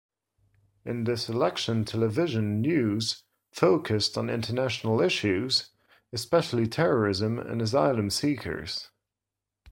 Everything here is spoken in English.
In this election television news focused on international issues, especially terrorism and asylum seekers.